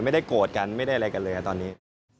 ไม่ได้โกรธกันไม่ได้อะไรกันเลยครับตอนนี้